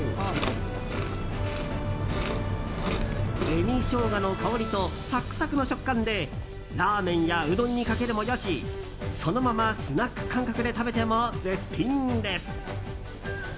紅ショウガの香りとサクサクの食感でラーメンやうどんにかけるもよしそのままスナック感覚で食べても絶品です。